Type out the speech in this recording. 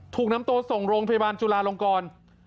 ถูกนำตัวส่งโรงพยาบาลจุลาลงกร